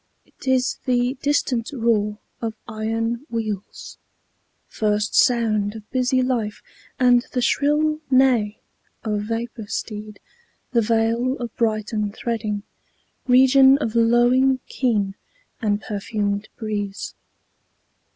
't is the distant roar of iron wheels, First sound of busy life, and the shrill neigh Of vapor steed, the vale of Brighton threading, Region of lowing kine and perfumed breeze.